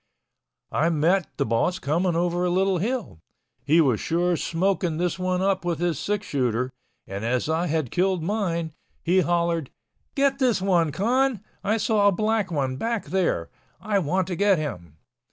I met the boss coming over a little hill. He was sure smoking this one up with his six shooter, and as I had killed mine, he hollered, "Get this one, Con. I saw a black one back here. I want to get him."